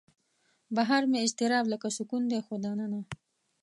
بهر مې اضطراب لکه سکون دی خو دننه